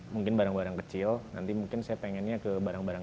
mungkin barang barang kecil nanti mungkin saya pengennya ke barang barang